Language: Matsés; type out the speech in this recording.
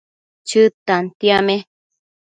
Chëd tantiame